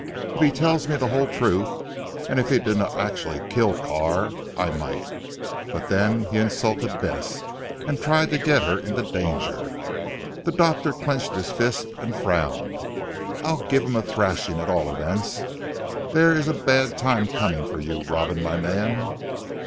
If he tells me the whole truth and if he did not actually kill Carr, I might but then he insulted Bess, and tried to get her into danger." The doctor clenched his fist and frowned. "I'll give him a thrashing at all events. There is a bad time coming for you Robin my man."